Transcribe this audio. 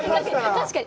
確かに。